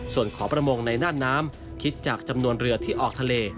ส่วนขอประมงในน่านน้ำคิดจากจำนวนเรือที่ออกทะเล